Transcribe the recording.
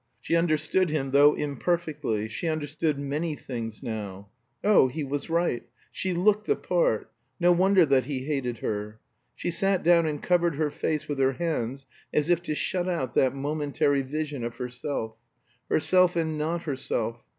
She understood him, though imperfectly; she understood many things now. Oh, he was right she looked the part; no wonder that he hated her. She sat down and covered her face with her hands, as if to shut out that momentary vision of herself. Herself and not herself.